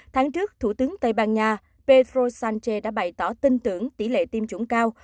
tháng trước thủ tướng tây ban nha pedro sánche đã bày tỏ tin tưởng tỷ lệ tiêm chủng cao